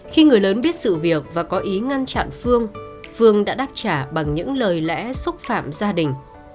khi người lớn biết sự việc và có ý ngăn chặn phương phương đã đáp trả bằng những lời lẽ xúc phạm gia đình